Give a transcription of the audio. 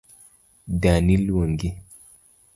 Dani luongi